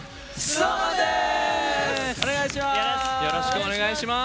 お願いします！